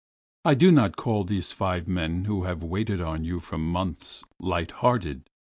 I do not call these five men who have waited on you for months, light hearted.